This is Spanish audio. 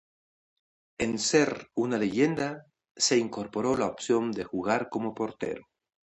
En Ser una Leyenda se incorporó la opción de jugar como portero.